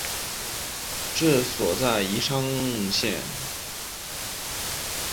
治所在宜盛县。